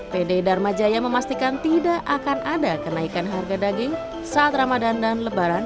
pd dharma jaya memastikan tidak akan ada kenaikan harga daging saat ramadan dan lebaran